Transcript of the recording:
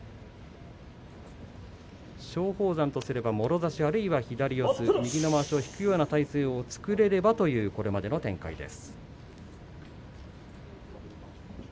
松鳳山とすれば、もろ差しがぶり左四つ、右のまわしを引くような体勢を作ればというこれまでの展開です。